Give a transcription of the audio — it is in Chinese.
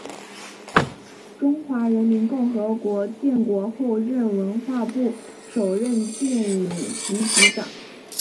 中华人民共和国建国后任文化部首任电影局局长。